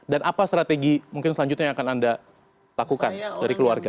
dan apa strategi mungkin selanjutnya yang akan anda lakukan dari keluarga